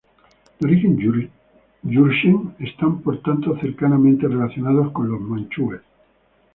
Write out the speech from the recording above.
De origen yurchen, están por tanto cercanamente relacionados con la manchúes.